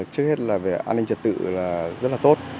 trước hết là về an ninh trật tự là rất là tốt